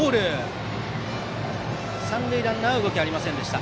三塁ランナーは動きありませんでした。